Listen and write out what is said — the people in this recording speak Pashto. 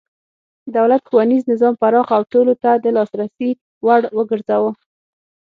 دولت ښوونیز نظام پراخ او ټولو ته د لاسرسي وړ وګرځاوه.